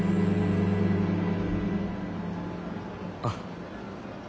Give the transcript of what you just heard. あっ。